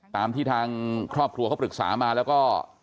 ตามที่ทางครอบครัวเขาปรึกษามาแล้วก็